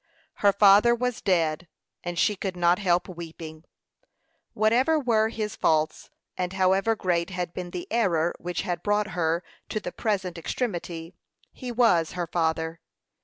Her father was dead, and she could not help weeping. Whatever were his faults, and however great had been the error which had brought her to the present extremity, he was her father.